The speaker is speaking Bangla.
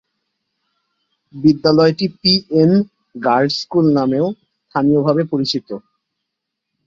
বিদ্যালয়টি "পি এন গার্লস স্কুল" নামেও স্থানীয়ভাবে পরিচিত।